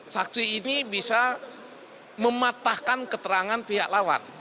saksi ini bisa mematahkan keterangan pihak lawan